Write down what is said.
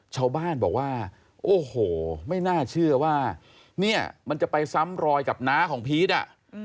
ชาวบ้านบอกว่าโอ้โหไม่น่าเชื่อว่าเนี่ยมันจะไปซ้ำรอยกับน้าของพีชอ่ะ